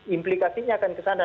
implikasinya akan ke sana